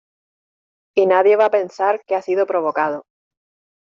y nadie va a pensar que ha sido provocado.